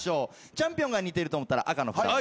チャンピオンが似ていると思ったら赤の札を。